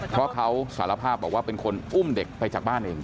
เพราะเขาสารภาพบอกว่าเป็นคนอุ้มเด็กไปจากบ้านเอง